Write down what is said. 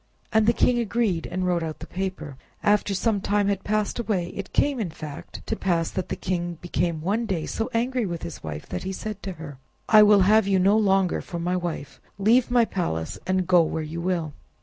And the king agreed and wrote out the paper. After some time had passed away, it came, in fact, to pass, that the king became one day so angry with his wife, that he said to her— "I will have you no longer for my wife; leave my palace, and go where you will."